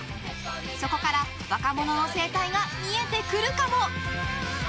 そこから若者の生態が見えてくるかも？